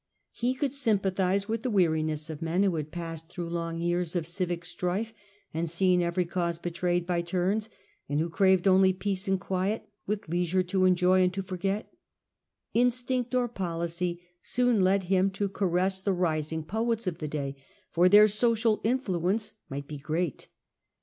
He could sympathise with the weariness of men who had passed through long years of civic strife and seen every cause betrayed by turns, and who craved only peace and quiet, with leisure to enjoy and to forget, through the Instinct or policy soon led him to caress the po«ts, rising poets of the day, for their social influence might be great.